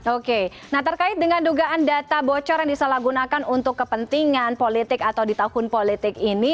oke nah terkait dengan dugaan data bocor yang disalahgunakan untuk kepentingan politik atau di tahun politik ini